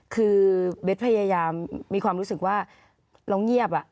ขอบคุณครับ